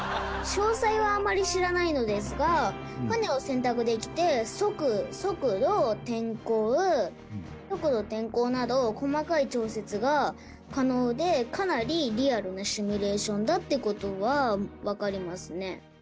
詳細はあまり知らないのですが船を選択できて速度天候速度天候など細かい調節が可能でかなりリアルなシミュレーションだって事はわかりますね。